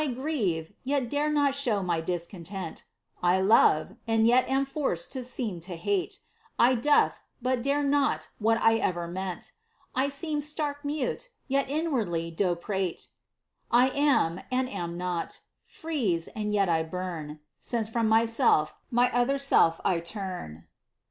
! grieve, yet dare not shew xny discontent; I love, and yet am forced to seem to hate ; I dote, but dare not what I ever meant ; I seem stark mute, yet inwardly doe prate ; I am, and am not — freeze, and yet I burn ; Since ftom myself, my other self I turn.